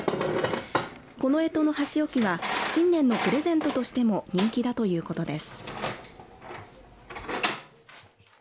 このえとの箸置きは新年のプレゼントとしても人気だということです。